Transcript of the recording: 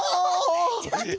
ちょっと！